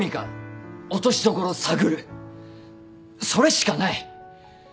それしかない。